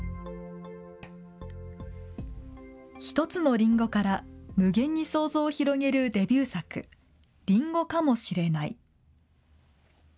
１つのりんごから無限に想像を広げるデビュー作、りんごかもしれない。